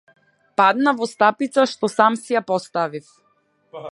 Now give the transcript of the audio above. Паднав во стапицата што сам си ја поставив.